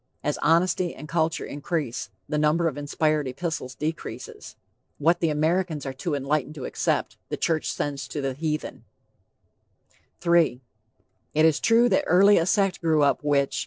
As honesty and culture increase, the number of inspired epistles decreases. What the Americans are too enlightened to accept, the church sends to the heathen. III. "It is true that early a sect grew up which....